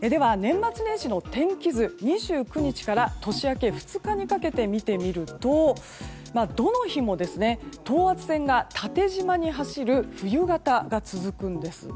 では、年末年始の天気図２９日から年明け２日にかけて見てみるとどの日も等圧線が縦じまに走る冬型が続くんです。